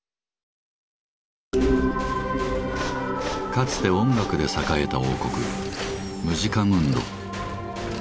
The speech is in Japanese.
かつて音楽で栄えた王国「ムジカムンド」。